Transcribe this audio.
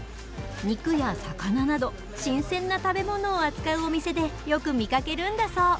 肉や魚など新鮮な食べ物を扱うお店でよく見かけるんだそう。